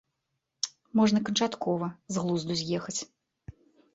Можна канчаткова з глузду з'ехаць.